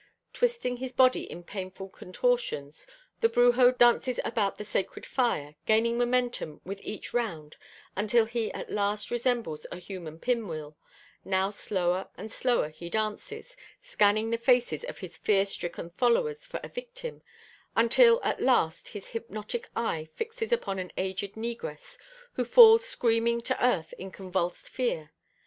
Twisting his body in painful contortions, the brujo dances about the sacred fire, gaining momentum with each round until he at last resembles a human pin wheel; now slower and slower he dances, scanning the faces of his fear stricken followers for a victim, until at last his hypnotic eye fixes upon an aged negress, who falls screaming to earth in convulsed fear.